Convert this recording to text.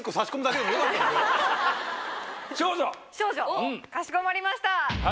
少女かしこまりました。